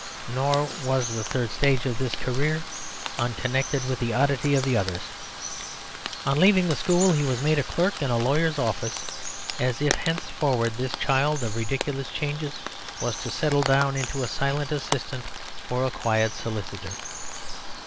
Nor was the third stage of this career unconnected with the oddity of the others. On leaving the school he was made a clerk in a lawyer's office, as if henceforward this child of ridiculous changes was to settle down into a silent assistant for a quiet solicitor.